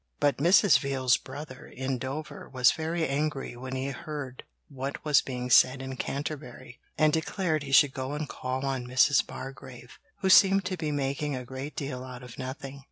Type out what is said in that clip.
But Mrs. Veal's brother in Dover was very angry when he heard what was being said in Canterbury, and declared he should go and call on Mrs. Bargrave, who seemed to be making a great deal out of nothing.